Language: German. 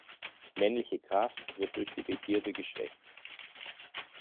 Männliche Kraft wird durch die Begierde geschwächt.